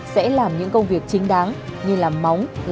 sẽ làm những công việc chính đáng